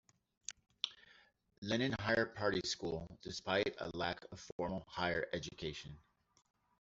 Lenin Higher Party School despite a lack of formal higher education.